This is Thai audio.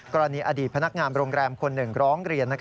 อดีตพนักงานโรงแรมคนหนึ่งร้องเรียน